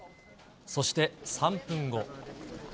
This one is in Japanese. そして３分後。